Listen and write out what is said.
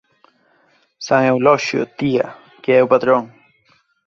_San Euloxio, tía, que é o patrón.